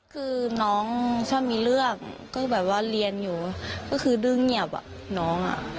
คือน้องชอบมีเรื่องก็แบบว่าเรียนอยู่ก็คือดึงเหงียบอ่ะน้องอ่ะ